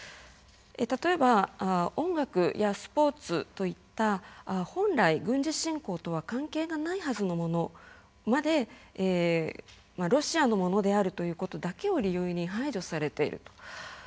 例えば音楽やスポーツといった本来、軍事侵攻とは関係のないはずのものまでロシアのものであるということだけを理由に排除されていると。